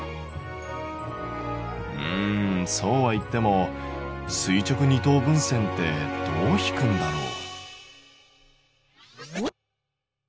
うんそうはいっても垂直二等分線ってどう引くんだろう？